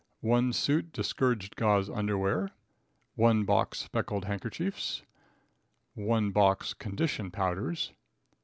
1 suit discouraged Gauze Underwear. 1 box Speckled Handkerchiefs. 1 box Condition Powders.